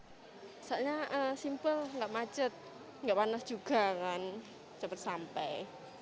soalnya simpel nggak macet nggak panas juga kan cepat sampai